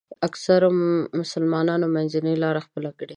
اکثرو مسلمانانو منځنۍ لاره خپله کړه.